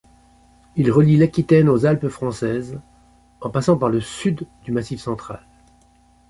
Il relie l'Aquitaine aux Alpes françaises en passant par le sud du Massif central.